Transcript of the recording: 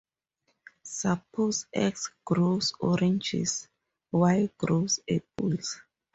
Suppose X grows oranges, Y grows apples.